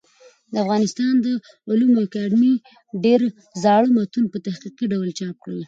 د افغانستان د علومو اکاډمۍ ډېر زاړه متون په تحقيقي ډول چاپ کړل.